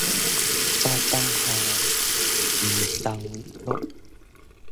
早冬雨，晚冬露